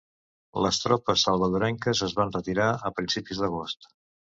Les tropes salvadorenques es van retirar a principis d'agost.